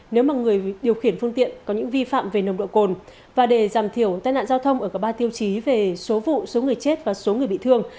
nếu mà người điều khiển phương tiện có những vi phạm về nồng độ cồn và để giảm thiểu tai nạn giao thông ở cả ba tiêu chí về số vụ số người chết và số người bị thương